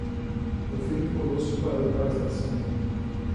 Confirme conosco para ir para a estação